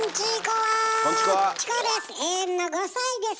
チコです！